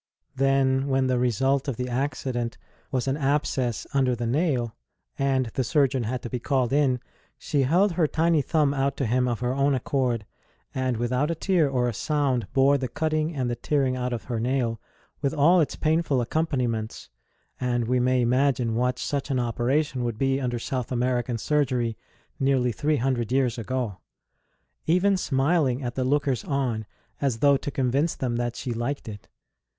Then, when the result of the accident was an abscess under the nail, and the surgeon had to be called in, she held her tiny thumb out to him of her own accord, and without a tear or a sound bore the cutting and the tearing out of her nail, with all its painful accompaniments (and we may imagine what such an operation would be under South American surgery nearly three hundred years ago !), even smiling at the lookers on, as though to convince them that she liked it.